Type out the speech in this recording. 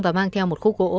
và mang theo một khu gỗ